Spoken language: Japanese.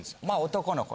男の子。